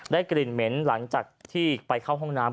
กลิ่นเหม็นหลังจากที่ไปเข้าห้องน้ำ